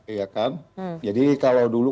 iya kan jadi kalau dulu